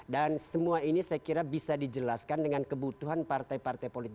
dan semua ini saya kira bisa dijelaskan dengan kebutuhan partai partai yang ada di dpr